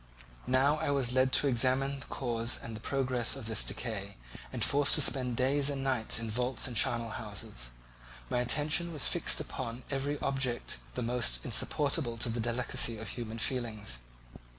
Now I was led to examine the cause and progress of this decay and forced to spend days and nights in vaults and charnel houses. My attention was fixed upon every object the most insupportable to the delicacy of the human feelings.